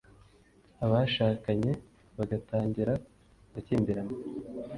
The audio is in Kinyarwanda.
abashakanye bagatangira gukimbirana